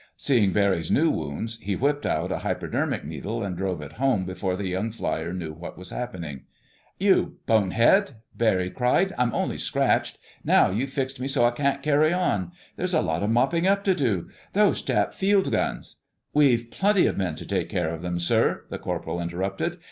Seeing Barry's new wounds, he whipped out a hypodermic needle, and drove it home before the young flier knew what was happening. "You bonehead!" Barry cried. "I'm only scratched. Now you've fixed me so I can't carry on. There's a lot of mopping up to do. Those Jap field guns—" "We've plenty of men to take care of them, sir," the corporal interrupted.